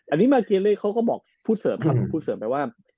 อันนี้มาเกเลเขาก็บอกพูดเสริมไปว่า